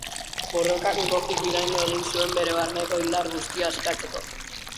Borrokan Gokuk iraindu egin zuen bere barneko indar guztia askatzeko.